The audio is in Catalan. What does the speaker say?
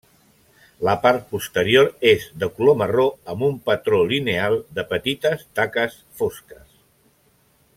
La part posterior és de color marró amb un patró lineal de petites taques fosques.